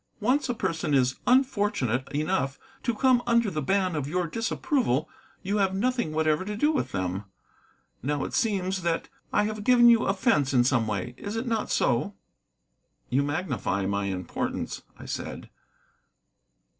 "Once a person is unfortunate enough to come under the ban of your disapproval you have nothing whatever to do with them. Now it seems that I have given you offence in some way. Is it not so?" "You magnify my importance," I said.